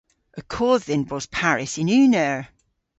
Y kodh dhyn bos parys yn unn eur.